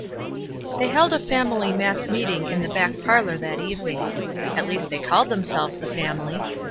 They held a family mass meeting in the back parlor that evening. At least they called them selves the family.